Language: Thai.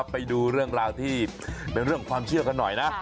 ไปดูเรื่องราวที่เป็นเรื่องความเชื่อกันหน่อยนะ